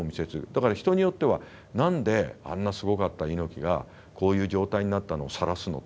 だから人によっては何であんなすごかった猪木がこういう状態になったのをさらすの？